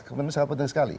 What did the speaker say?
kemudian sangat penting sekali